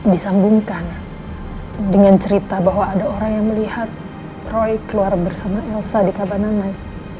disambungkan dengan cerita bahwa ada orang yang melihat roy keluar bersama elsa di kabanan